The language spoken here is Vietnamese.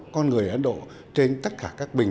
con người ấn độ trên tất cả các bình